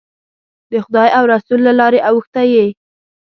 د خدای او رسول له لارې اوښتی یې.